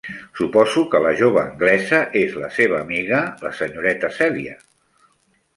Suposo que la jove anglesa és la seva amiga la senyoreta Celia?